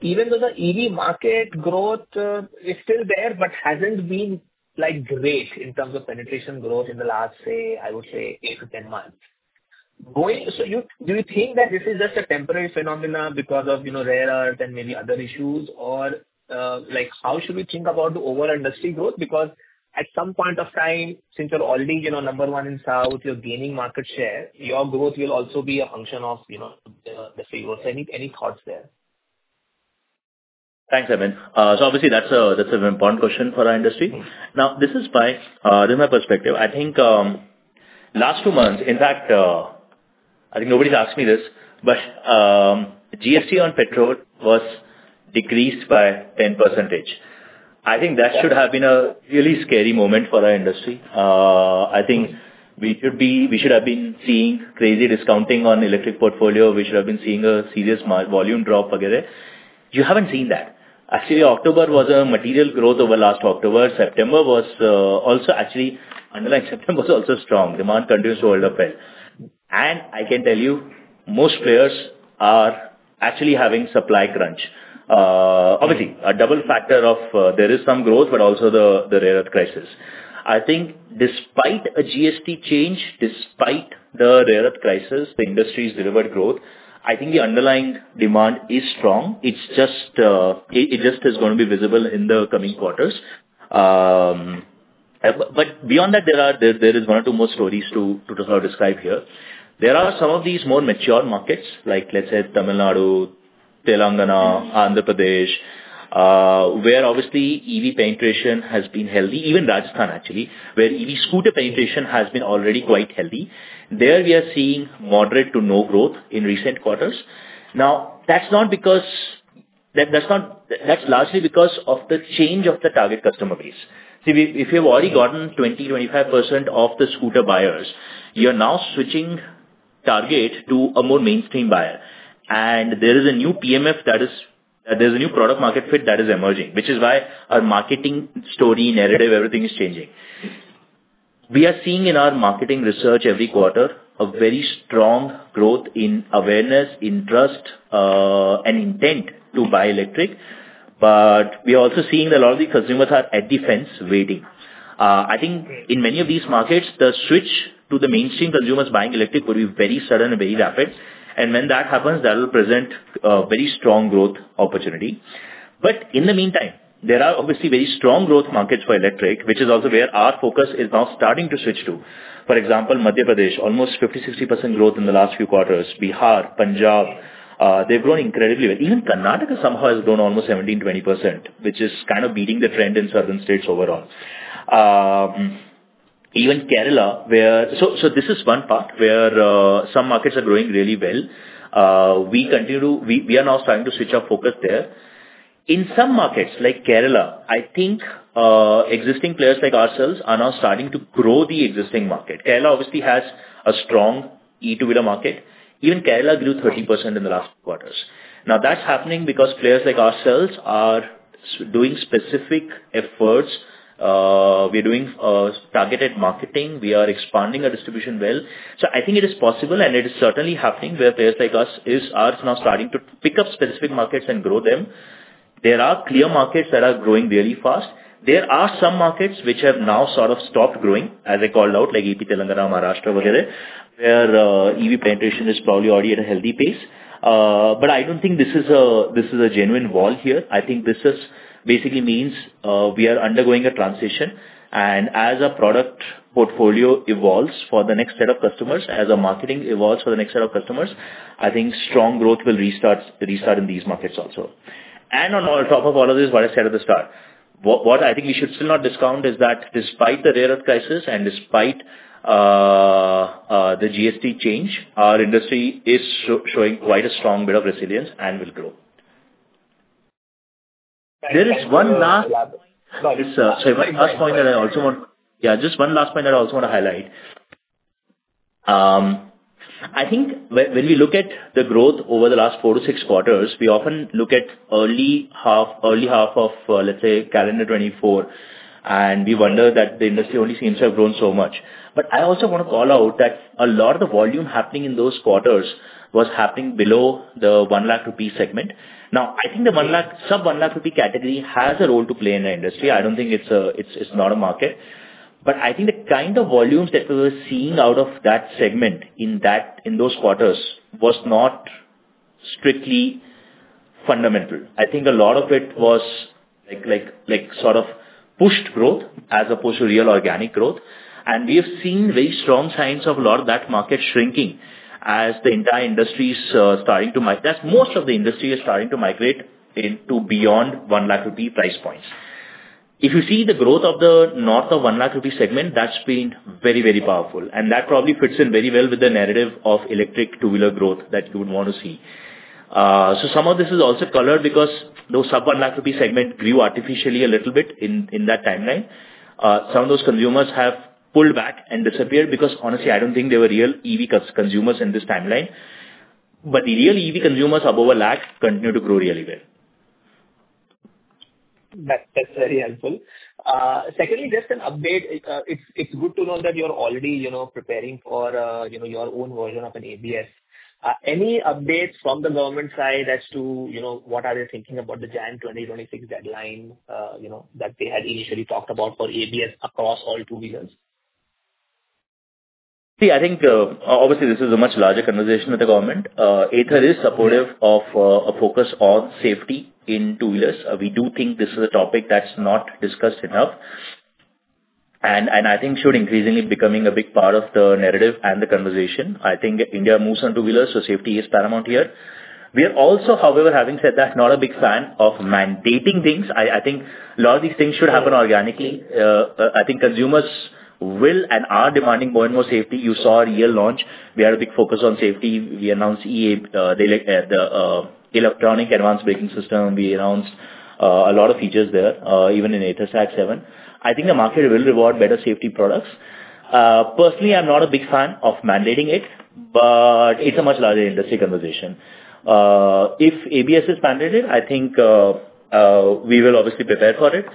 Even though the EV market growth is still there but hasn't been great in terms of penetration growth in the last, say, I would say, eight to 10 months. So do you think that this is just a temporary phenomenon because of rare earth and maybe other issues, or how should we think about the overall industry growth? Because at some point of time, since you're already number one in South India, you're gaining market share, your growth will also be a function of the field. So any thoughts there? Thanks, Amyn. So obviously, that's an important question for our industry. Now, this is my perspective. I think last two months, in fact, I think nobody's asked me this, but GST on petrol was decreased by 10%. I think that should have been a really scary moment for our industry. I think we should have been seeing crazy discounting on electric portfolio. We should have been seeing a serious volume drop for the day. You haven't seen that. Actually, October was a material growth over last October. September was also actually strong. Underlying September was also strong. Demand continues to hold up well. And I can tell you, most players are actually having supply crunch. Obviously, a double factor of there is some growth, but also the rare earth crisis. I think despite a GST change, despite the rare earth crisis, the industry has delivered growth. I think the underlying demand is strong. It just is going to be visible in the coming quarters. But beyond that, there are one or two more stories to sort of describe here. There are some of these more mature markets, like let's say Tamil Nadu, Telangana, Andhra Pradesh, where obviously EV penetration has been healthy. Even Rajasthan, actually, where EV scooter penetration has been already quite healthy. There we are seeing moderate to no growth in recent quarters. Now, that's not because that's largely because of the change of the target customer base. See, if you've already gotten 20%-25% of the scooter buyers, you're now switching target to a more mainstream buyer, and there is a new PMF that is there's a new product market fit that is emerging, which is why our marketing story, narrative, everything is changing. We are seeing in our marketing research every quarter a very strong growth in awareness, interest, and intent to buy electric. But we are also seeing that a lot of the consumers are on the fence waiting. I think in many of these markets, the switch to the mainstream consumers buying electric would be very sudden and very rapid. And when that happens, that will present a very strong growth opportunity. But in the meantime, there are obviously very strong growth markets for electric, which is also where our focus is now starting to switch to. For example, Madhya Pradesh, almost 50%-60% growth in the last few quarters. Bihar, Punjab, they've grown incredibly well. Even Karnataka somehow has grown almost 17%-20%, which is kind of beating the trend in southern states overall. Even Kerala, where so this is one part where some markets are growing really well. We are now starting to switch our focus there. In some markets like Kerala, I think existing players like ourselves are now starting to grow the existing market. Kerala obviously has a strong e-two-wheeler market. Even Kerala grew 30% in the last quarters. Now, that's happening because players like ourselves are doing specific efforts. We are doing targeted marketing. We are expanding our distribution well. So I think it is possible, and it is certainly happening where players like us are now starting to pick up specific markets and grow them. There are clear markets that are growing really fast. There are some markets which have now sort of stopped growing, as I called out, like UP, Telangana, Maharashtra, whatever, where EV penetration is probably already at a healthy pace. But I don't think this is a genuine wall here. I think this basically means we are undergoing a transition. And as our product portfolio evolves for the next set of customers, as our marketing evolves for the next set of customers, I think strong growth will restart in these markets also. And on top of all of this, what I said at the start, what I think we should still not discount is that despite the rare earth crisis and despite the GST change, our industry is showing quite a strong bit of resilience and will grow. There is one last point that I also want to highlight. I think when we look at the growth over the last four to six quarters, we often look at early half of, let's say, calendar 2024, and we wonder that the industry only seems to have grown so much. But I also want to call out that a lot of the volume happening in those quarters was happening below the 1 lakh rupee segment. Now, I think the sub 1 lakh rupee category has a role to play in the industry. I don't think it's not a market. But I think the kind of volumes that we were seeing out of that segment in those quarters was not strictly fundamental. I think a lot of it was sort of pushed growth as opposed to real organic growth. And we have seen very strong signs of a lot of that market shrinking as the entire industry is starting to migrate. That's most of the industry is starting to migrate into beyond 1 lakh rupee price points. If you see the growth of the north of 1 lakh rupee segment, that's been very, very powerful, and that probably fits in very well with the narrative of electric two-wheeler growth that you would want to see. Some of this is also colored because those sub 1 lakh rupee segment grew artificially a little bit in that timeline. Some of those consumers have pulled back and disappeared because, honestly, I don't think they were real EV consumers in this timeline. The real EV consumers above a lakh continue to grow really well. That's very helpful. Secondly, just an update, it's good to know that you're already preparing for your own version of an ABS. Any updates from the government side as to what are they thinking about the January 2026 deadline that they had initially talked about for ABS across all two wheelers? See, I think obviously this is a much larger conversation with the government. Ather is supportive of a focus on safety in two wheelers. We do think this is a topic that's not discussed enough, and I think it should increasingly be becoming a big part of the narrative and the conversation. I think India moves on two wheelers, so safety is paramount here. We are also, however, having said that, not a big fan of mandating things. I think a lot of these things should happen organically. I think consumers will and are demanding more and more safety. You saw a real launch. We had a big focus on safety. We announced the advanced electronic braking system. We announced a lot of features there, even in AtherStack 7.0. I think the market will reward better safety products. Personally, I'm not a big fan of mandating it, but it's a much larger industry conversation. If ABS is mandated, I think we will obviously prepare for it.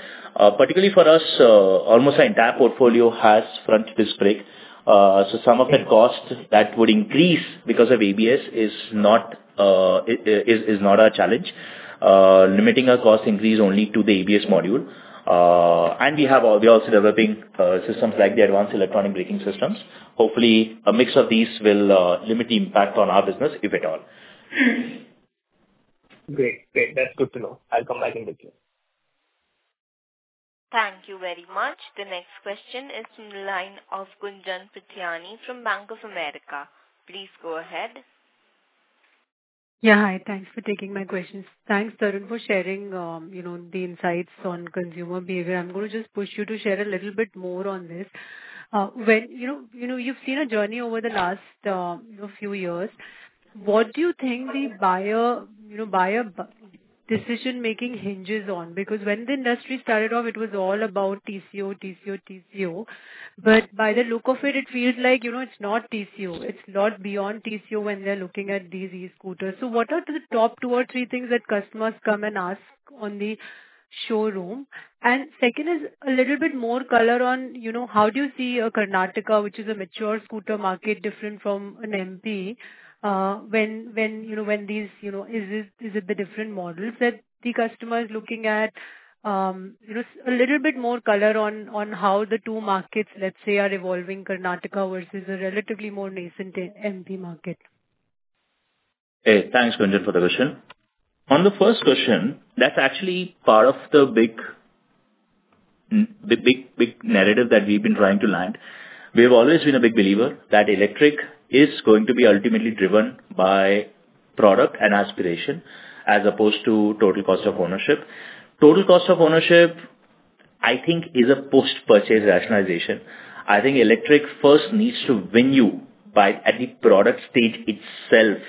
Particularly for us, almost our entire portfolio has front disc brake. So some of that cost that would increase because of ABS is not our challenge, limiting our cost increase only to the ABS module, and we are also developing systems like the advanced electronic braking systems. Hopefully, a mix of these will limit the impact on our business, if at all. Great. Great. That's good to know. I'll come back and get you. Thank you very much. The next question is from the line of Gunjan Prithyani from Bank of America. Please go ahead. Yeah. Hi. Thanks for taking my questions. Thanks, Tarun, for sharing the insights on consumer behavior. I'm going to just push you to share a little bit more on this. You've seen a journey over the last few years. What do you think the buyer decision-making hinges on? Because when the industry started off, it was all about TCO, TCO, TCO. But by the look of it, it feels like it's not TCO. It's a lot beyond TCO when they're looking at these e-scooters. So what are the top two or three things that customers come and ask on the showroom? And second is a little bit more color on how do you see Karnataka, which is a mature scooter market, different from an MP? Is it the different models that the customer is looking at? A little bit more color on how the two markets, let's say, are evolving, Karnataka versus a relatively more nascent MP market. Okay. Thanks, Gunjan, for the question. On the first question, that's actually part of the big narrative that we've been trying to land. We have always been a big believer that electric is going to be ultimately driven by product and aspiration as opposed to total cost of ownership. Total cost of ownership, I think, is a post-purchase rationalization. I think electric first needs to win you at the product stage itself.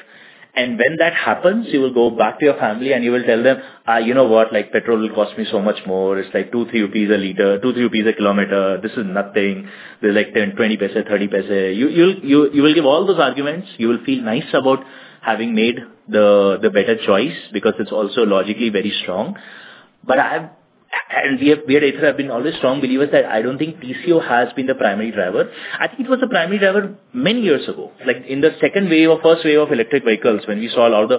And when that happens, you will go back to your family and you will tell them, "You know what? Petrol will cost me so much more. It's like two-three rupees a liter, two-three rupees a km. This is nothing. There's like 20 paise, 30 paise." You will give all those arguments. You will feel nice about having made the better choice because it's also logically very strong. We at Ather have been always strong believers that I don't think TCO has been the primary driver. I think it was a primary driver many years ago. In the second wave or first wave of electric vehicles, when we saw a lot of the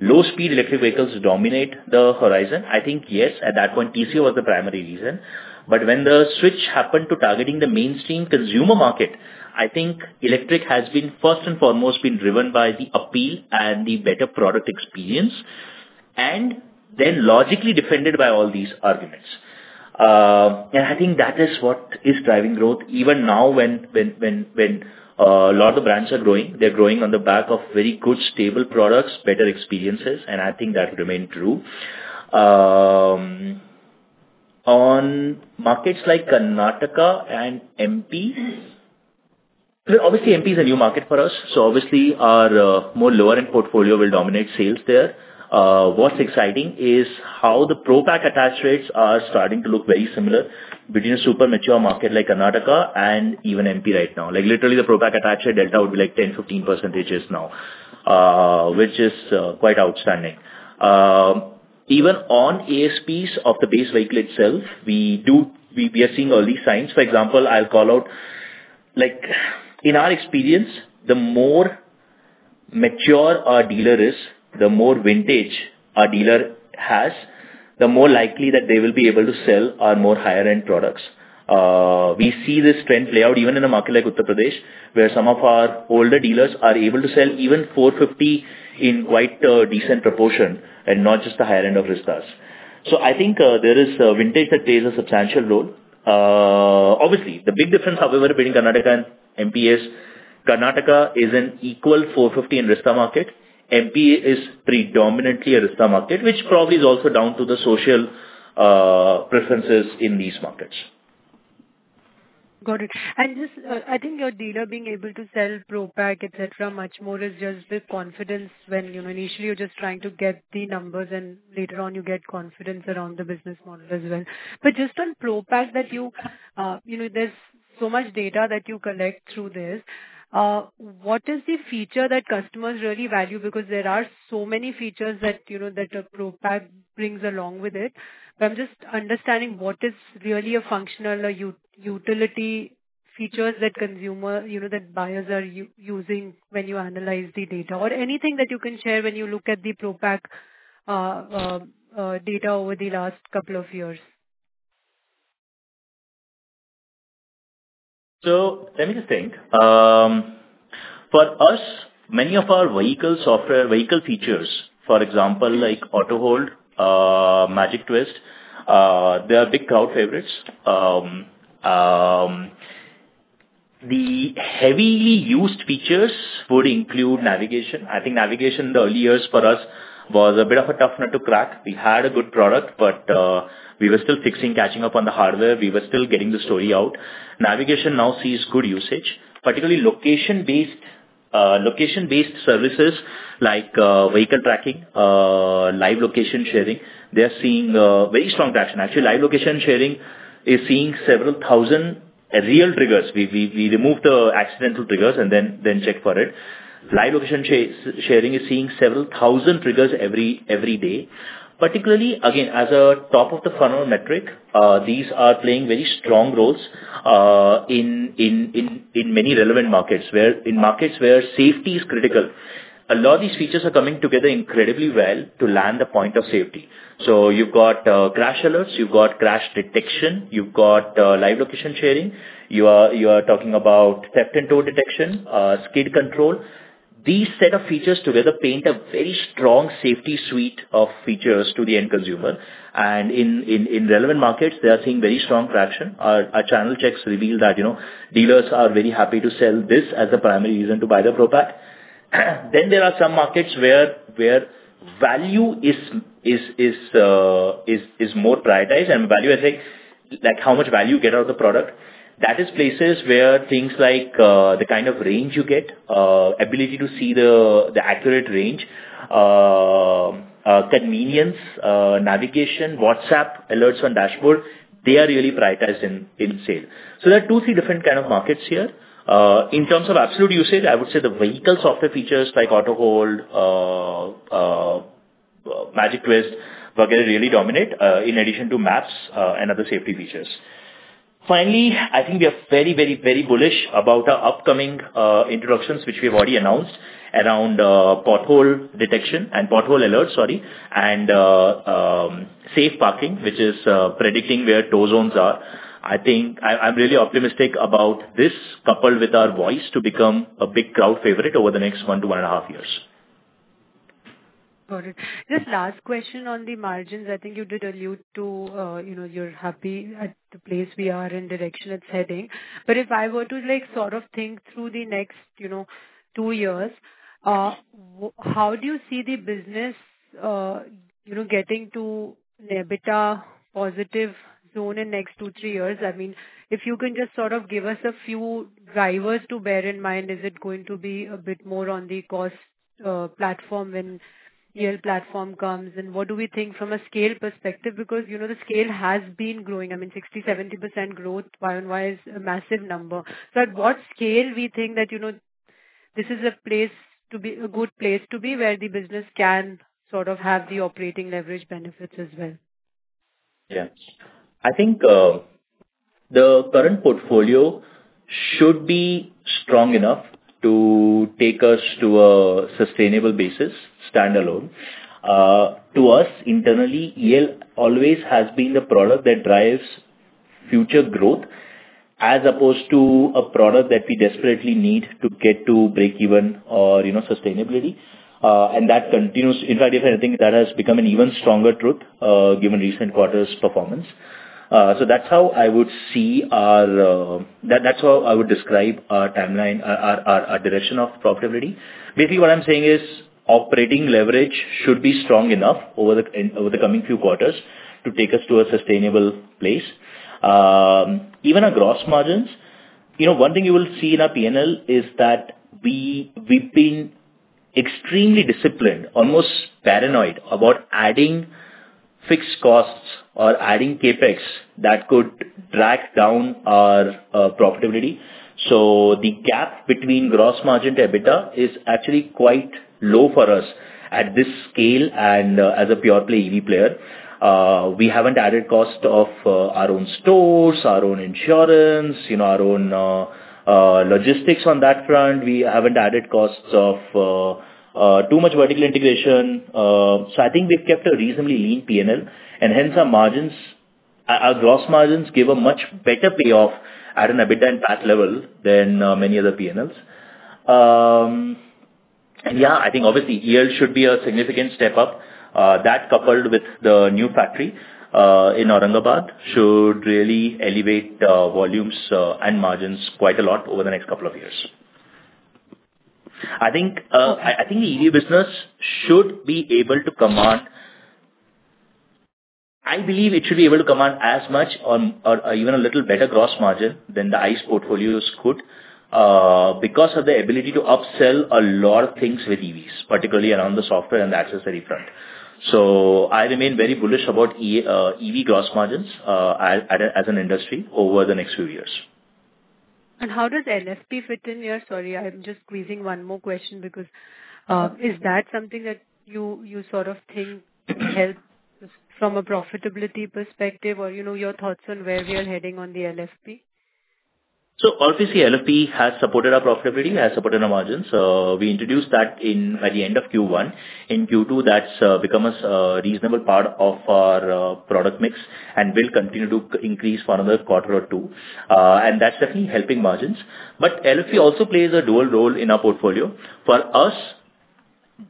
low-speed electric vehicles dominate the horizon, I think, yes, at that point, TCO was the primary reason. But when the switch happened to targeting the mainstream consumer market, I think electric has been, first and foremost, driven by the appeal and the better product experience, and then logically defended by all these arguments. And I think that is what is driving growth even now when a lot of the brands are growing. They're growing on the back of very good, stable products, better experiences. And I think that remained true. On markets like Karnataka and MP, obviously, MP is a new market for us. Obviously, our more lower-end portfolio will dominate sales there. What's exciting is how the Pro Pack attach rates are starting to look very similar between a super mature market like Karnataka and even MP right now. Literally, the Pro Pack attach rate delta would be like 10%-15% now, which is quite outstanding. Even on ASPs of the base vehicle itself, we are seeing early signs. For example, I'll call out, in our experience, the more mature our dealer is, the more vintage our dealer has, the more likely that they will be able to sell our more higher-end products. We see this trend play out even in a market like Uttar Pradesh, where some of our older dealers are able to sell even 450 in quite a decent proportion and not just the higher-end of Rizta. I think there is vintage that plays a substantial role. Obviously, the big difference, however, between Karnataka and MP is Karnataka is an equal 450 in Rizta market. MP is predominantly a Rizta market, which probably is also down to the social preferences in these markets. Got it. And I think your dealer being able to sell Pro Pack, etc., much more is just the confidence when initially you're just trying to get the numbers, and later on you get confidence around the business model as well. But just on Pro Pack, there's so much data that you collect through this. What is the feature that customers really value? Because there are so many features that Pro Pack brings along with it. I'm just understanding what is really a functional utility feature that buyers are using when you analyze the data, or anything that you can share when you look at the Pro Pack data over the last couple of years. Let me just think. For us, many of our vehicle software, vehicle features, for example, like Auto Hold, Magic Twist, they are big crowd favorites. The heavily used features would include navigation. I think navigation in the early years for us was a bit of a tough nut to crack. We had a good product, but we were still fixing, catching up on the hardware. We were still getting the story out. Navigation now sees good usage, particularly location-based services like vehicle tracking, live location sharing. They're seeing very strong traction. Actually, live location sharing is seeing several thousand real triggers. We remove the accidental triggers and then check for it. Live location sharing is seeing several thousand triggers every day. Particularly, again, as a top of the funnel metric, these are playing very strong roles in many relevant markets, in markets where safety is critical. A lot of these features are coming together incredibly well to land the point of safety. So you've got crash alerts, you've got crash detection, you've got live location sharing, you are talking about theft and tow detection, Skid Control. These set of features together paint a very strong safety suite of features to the end consumer, and in relevant markets, they are seeing very strong traction. Our channel checks reveal that dealers are very happy to sell this as a primary reason to buy the Pro Pack. Then there are some markets where value is more prioritized, and value, I say, like how much value you get out of the product. That is places where things like the kind of range you get, ability to see the accurate range, convenience, navigation, WhatsApp alerts on dashboard, they are really prioritized in sale. There are two, three different kinds of markets here. In terms of absolute usage, I would say the vehicle software features like Auto Hold, Magic Twist, Walkie really dominate in addition to maps and other safety features. Finally, I think we are very, very, very bullish about our upcoming introductions, which we have already announced around pothole detection and pothole alerts, sorry, and safe parking, which is predicting where tow zones are. I think I'm really optimistic about this coupled with our voice to become a big crowd favorite over the next one to one and a half years. Got it. Just last question on the margins. I think you did allude to, you're happy at the place we are and direction it's heading. But if I were to sort of think through the next two years, how do you see the business getting to an EBITDA positive zone in the next two, three years? I mean, if you can just sort of give us a few drivers to bear in mind, is it going to be a bit more on the cost platform when EL Platform comes? And what do we think from a scale perspective? Because the scale has been growing. I mean, 60%-70% growth, by and large, is a massive number. So at what scale do we think that this is a good place to be where the business can sort of have the operating leverage benefits as well? Yeah. I think the current portfolio should be strong enough to take us to a sustainable basis, standalone. To us internally, EL always has been the product that drives future growth as opposed to a product that we desperately need to get to break even or sustainability, and that continues. In fact, if anything, that has become an even stronger truth given recent quarters' performance. So that's how I would describe our timeline, our direction of profitability. Basically, what I'm saying is operating leverage should be strong enough over the coming few quarters to take us to a sustainable place. Even our gross margins, one thing you will see in our P&L is that we've been extremely disciplined, almost paranoid about adding fixed costs or adding CapEx that could drag down our profitability. So the gap between gross margin to EBITDA is actually quite low for us at this scale and as a pure-play EV player. We haven't added cost of our own stores, our own insurance, our own logistics on that front. We haven't added costs of too much vertical integration. So I think we've kept a reasonably lean P&L, and hence our gross margins give a much better payoff at an EBITDA and PAT level than many other P&Ls. And yeah, I think obviously EL should be a significant step up. That coupled with the new factory in Aurangabad should really elevate volumes and margins quite a lot over the next couple of years. I think the EV business should be able to command as much or even a little better gross margin than the ICE portfolios could because of the ability to upsell a lot of things with EVs, particularly around the software and the accessory front. So I remain very bullish about EV gross margins as an industry over the next few years. And how does LFP fit in here? Sorry, I'm just squeezing one more question because is that something that you sort of think helps from a profitability perspective or your thoughts on where we are heading on the LFP? So obviously, LFP has supported our profitability, has supported our margins. We introduced that by the end of Q1. In Q2, that's become a reasonable part of our product mix and will continue to increase for another quarter or two. And that's definitely helping margins. But LFP also plays a dual role in our portfolio. For us,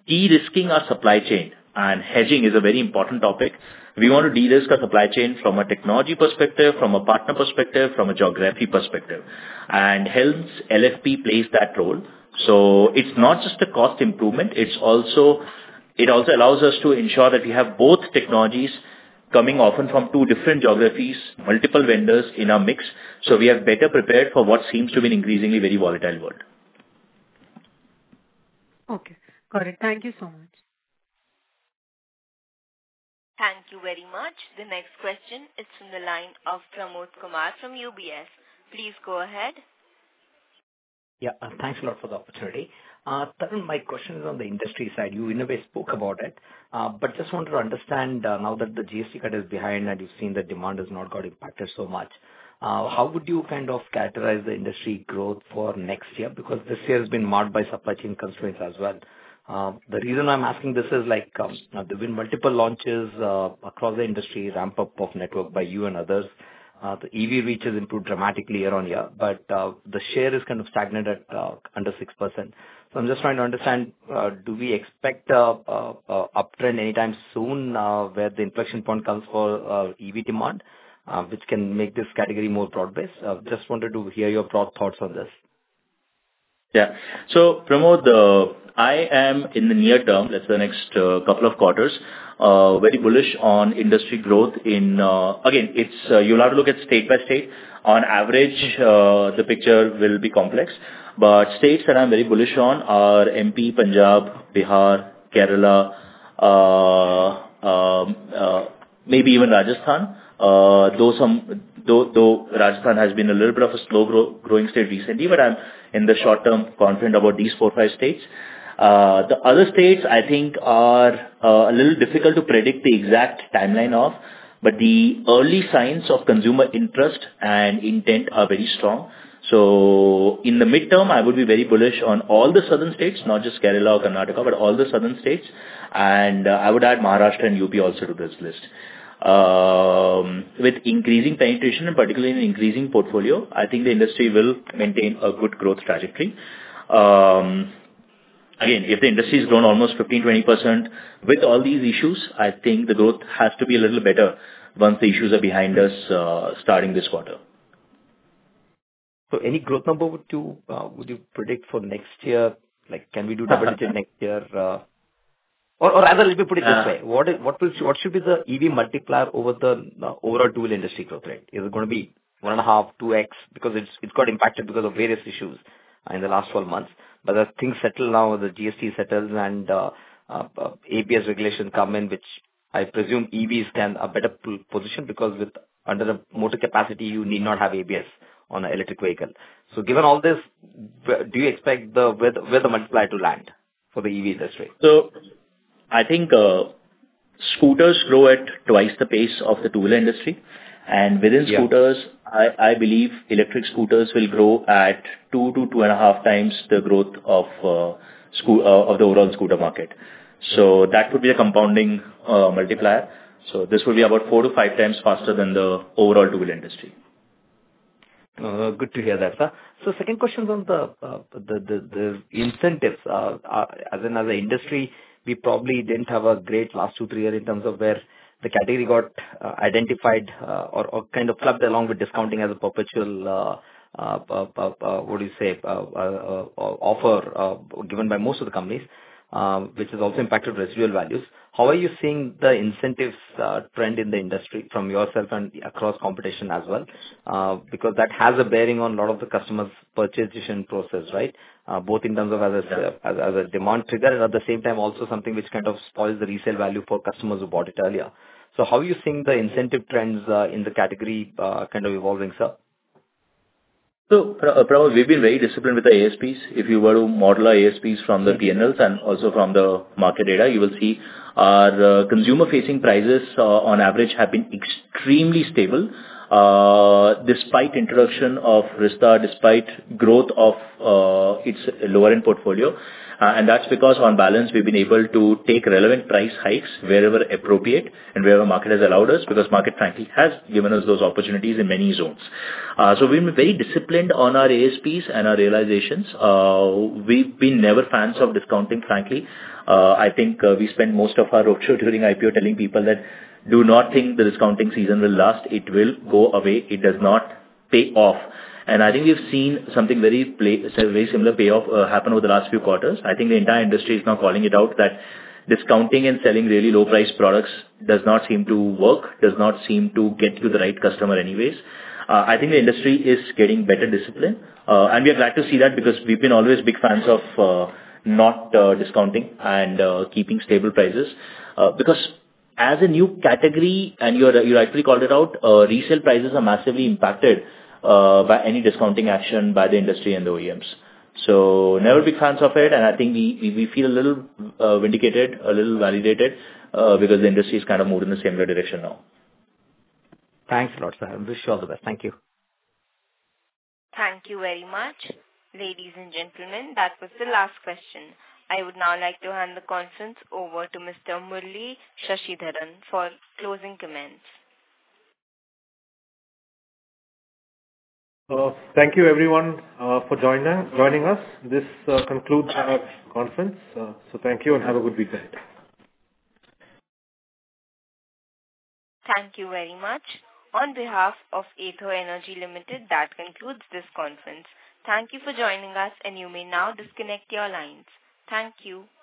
de-risking our supply chain and hedging is a very important topic. We want to de-risk our supply chain from a technology perspective, from a partner perspective, from a geography perspective. And hence, LFP plays that role. So it's not just a cost improvement. It also allows us to ensure that we have both technologies coming often from two different geographies, multiple vendors in our mix. So we are better prepared for what seems to be an increasingly very volatile world. Okay. Got it. Thank you so much. Thank you very much. The next question is from the line of Pramod Kumar from UBS. Please go ahead. Yeah. Thanks a lot for the opportunity. Tarun, my question is on the industry side. You in a way spoke about it, but just wanted to understand now that the GST cut is behind and you've seen the demand has not got impacted so much, how would you kind of categorize the industry growth for next year? Because this year has been marked by supply chain constraints as well. The reason I'm asking this is there've been multiple launches across the industry, ramp-up of network by you and others. The EV reach has improved dramatically year on year, but the share is kind of stagnant at under 6%. So I'm just trying to understand, do we expect an uptrend anytime soon where the inflection point comes for EV demand, which can make this category more broad-based? Just wanted to hear your broad thoughts on this. Yeah. So Pramod, I am in the near term, let's say the next couple of quarters, very bullish on industry growth. Again, you'll have to look at state by state. On average, the picture will be complex. But states that I'm very bullish on are MP, Punjab, Bihar, Kerala, maybe even Rajasthan. Though Rajasthan has been a little bit of a slow-growing state recently, but I'm in the short term confident about these four, five states. The other states, I think, are a little difficult to predict the exact timeline of, but the early signs of consumer interest and intent are very strong. So in the midterm, I would be very bullish on all the southern states, not just Kerala or Karnataka, but all the southern states. And I would add Maharashtra and UP also to this list. With increasing penetration, and particularly in increasing portfolio, I think the industry will maintain a good growth trajectory. Again, if the industry has grown almost 15%-20% with all these issues, I think the growth has to be a little better once the issues are behind us starting this quarter. So any growth number would you predict for next year? Can we do double-digit next year? Or rather, let me put it this way. What should be the EV multiplier over the overall two-wheeler industry growth rate? Is it going to be one and a half, two x? Because it's got impacted because of various issues in the last 12 months. But as things settle now, the GST settles and ABS regulations come in, which I presume EVs are in a better position because under the motor capacity, you need not have ABS on an electric vehicle. So given all this, do you expect the multiplier to land for the EV industry? I think scooters grow at twice the pace of the two-wheeler industry. And within scooters, I believe electric scooters will grow at two to two and a half times the growth of the overall scooter market. That would be a compounding multiplier. This will be about four to five times faster than the overall two-wheeler industry. Good to hear that. So second question on the incentives. As an industry, we probably didn't have a great last two, three years in terms of where the category got identified or kind of clubbed along with discounting as a perpetual, what do you say, offer given by most of the companies, which has also impacted residual values. How are you seeing the incentives trend in the industry from yourself and across competition as well? Because that has a bearing on a lot of the customers' purchasing process, right? Both in terms of as a demand trigger and at the same time also something which kind of spoils the resale value for customers who bought it earlier. So how are you seeing the incentive trends in the category kind of evolving so? Pramod, we've been very disciplined with the ASPs. If you were to model our ASPs from the P&Ls and also from the market data, you will see our consumer-facing prices on average have been extremely stable despite introduction of Rizta, despite growth of its lower-end portfolio. And that's because on balance, we've been able to take relevant price hikes wherever appropriate and wherever market has allowed us because market frankly has given us those opportunities in many zones. So we've been very disciplined on our ASPs and our realizations. We've been never fans of discounting, frankly. I think we spent most of our roadshow during IPO telling people that do not think the discounting season will last. It will go away. It does not pay off. And I think we've seen something very similar payoff happen over the last few quarters. I think the entire industry is now calling it out that discounting and selling really low-priced products does not seem to work, does not seem to get to the right customer anyways. I think the industry is getting better discipline, and we are glad to see that because we've been always big fans of not discounting and keeping stable prices. Because as a new category, and you rightfully called it out, resale prices are massively impacted by any discounting action by the industry and the OEMs, so never big fans of it, and I think we feel a little vindicated, a little validated because the industry has kind of moved in the similar direction now. Thanks a lot, sir. I wish you all the best. Thank you. Thank you very much, ladies and gentlemen. That was the last question. I would now like to hand the conference over to Mr. Murali Sashidharan for closing comments. Thank you, everyone, for joining us. This concludes our conference. So thank you and have a good weekend. Thank you very much. On behalf of Ather Energy Limited, that concludes this conference. Thank you for joining us, and you may now disconnect your lines. Thank you.